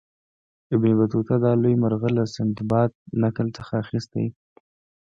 ابن بطوطه دا لوی مرغه له سندباد نکل څخه اخیستی.